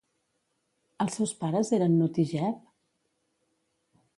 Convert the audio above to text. Els seus pares eren Nut i Geb?